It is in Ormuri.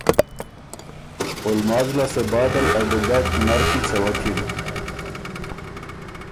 او لماز لاسته بعدل ا دُوګډ نر کی څَوَکِن۔